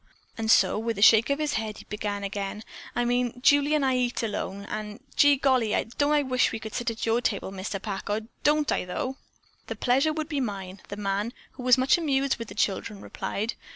and so, with a shake of his head, he began again: "I mean Julie and I eat alone, and gee golly, don't I wish we could sit at your table, Mr. Packard. Don't I though!" "The pleasure would be mine," the man, who was much amused with the children, replied.